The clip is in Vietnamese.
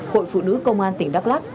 hội phụ nữ công an tỉnh đắk lắk